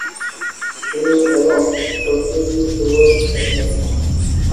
তিনি এবং W E B Du Bois একমত নন।